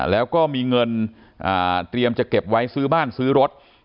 แล้วก็มีเงินเตรียมจะเก็บไว้ซื้อบ้านซื้อรถ